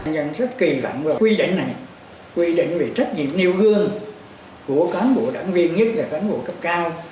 nhân sách kỳ vạn vào quy định này quy định về trách nhiệm nêu gương của cán bộ đảng viên nhất là cán bộ cấp cao